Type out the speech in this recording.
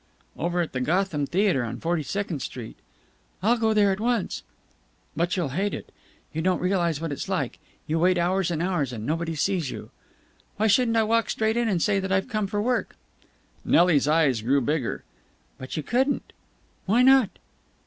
"Over at the Gotham Theatre in Forty second Street." "I'll go there at once." "But you'll hate it. You don't realize what it's like. You wait hours and hours and nobody sees you." "Why shouldn't I walk straight in and say that I've come for work?" Nelly's big eyes grew bigger. "But you couldn't!' "Why not?"